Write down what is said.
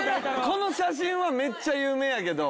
この写真はめっちゃ有名やけど。